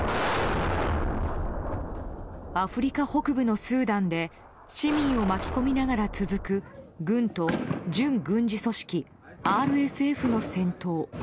アフリカ北部のスーダンで市民を巻き込みながら続く軍と準軍事組織・ＲＳＦの戦闘。